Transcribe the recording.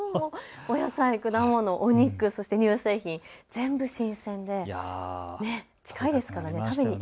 お野菜、果物、お肉、そして乳製品、全部新鮮で、近いですからね。